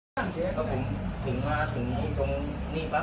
สวัสดีครับผมถึงมาถึงนี่ตรงนี่ปั๊บ